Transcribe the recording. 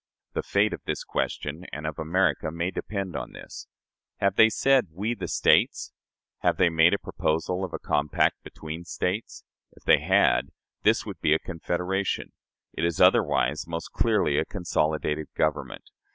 The fate of this question and of America may depend on this. Have they said, We, the States? Have they made a proposal of a compact between States? If they had, this would be a confederation: it is otherwise most clearly a consolidated government.